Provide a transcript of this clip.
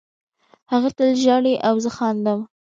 هغه تل ژاړي او زه خاندم